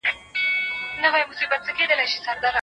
که انلاین زده کړه شته وي، تعلیم نه بندېږي.